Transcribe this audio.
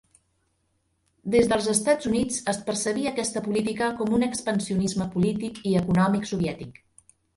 Des dels Estats Units es percebia aquesta política com un expansionisme polític i econòmic soviètic.